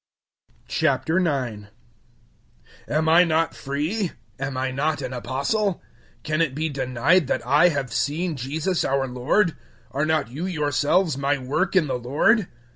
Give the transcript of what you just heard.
009:001 Am I not free? Am I not an Apostle? Can it be denied that I have seen Jesus, our Lord? Are not you yourselves my work in the Lord?